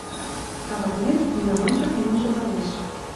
Савырнен, Нинан ончык миен шогалеш.